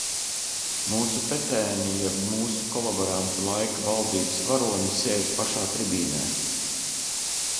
Mūsu petēni, jeb mūsu kolaborantu laika valdības varoņi sēž pašā tribīnē.